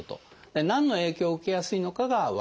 何の影響を受けやすいのかが分かるということです。